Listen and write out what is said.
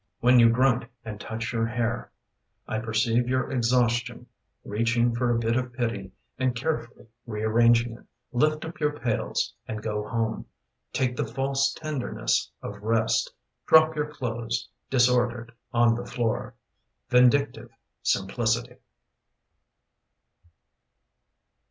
When you grunt and touch your hair I perceive your exhaustion Reaching for a bit of pity And carefully rearranging it. Lift up your pails and go home; Take the false tenderness of rest; Drop your clothes, disordered, on the floor. Vindictive simplicity.